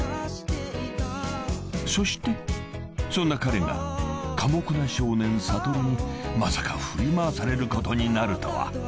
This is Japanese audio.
［そしてそんな彼が寡黙な少年悟にまさか振り回されることになるとは］